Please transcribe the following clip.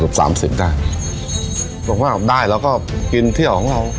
กระป๋วสามศิลป์ได้ลงมาออบได้แล้วก็กินเที่ยวของเรา